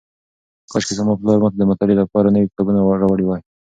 کاشکې زما پلار ماته د مطالعې لپاره نوي کتابونه راوړي وای.